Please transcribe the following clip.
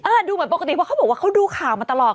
ดูเหมือนปกติเพราะเขาบอกว่าเขาดูข่าวมาตลอด